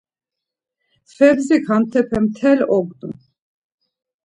Febzik hantepe mtel ognu.